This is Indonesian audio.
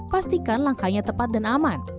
pastikan langkahnya tepat dan aman